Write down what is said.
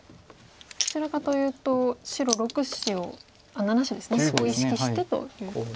どちらかというと白６子をあっ７子ですねを意識してということですね。